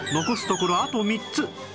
残すところあと３つ